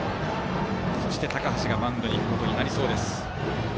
そして高橋がマウンドに行くことになりそうです。